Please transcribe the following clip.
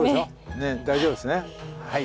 ねっ大丈夫ですね。